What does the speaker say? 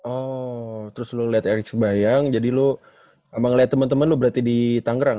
oh terus lo liat ericksebayang jadi lo ama ngeliat temen temen lo berarti di tangerang